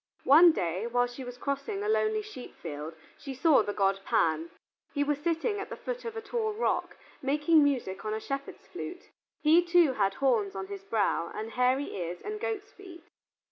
One day while she was crossing a lonely sheep field she saw the god Pan: he was sitting at the foot of a tall rock, making music on a shepherd's flute. He too had horns on his brow, and hairy ears, and goat's feet.